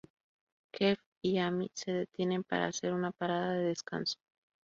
Jeff y Amy se detienen para hacer una parada de descanso.